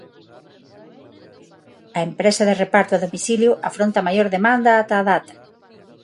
A empresa de reparto a domicilio afronta a maior demanda ata a data.